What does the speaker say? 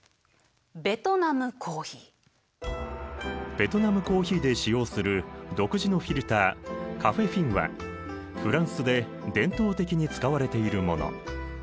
ベトナムコーヒーで使用する独自のフィルターカフェフィンはフランスで伝統的に使われているもの。